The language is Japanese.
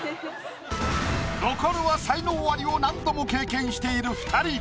残るは才能アリを何度も経験している二人。